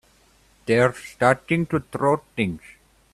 They're starting to throw things!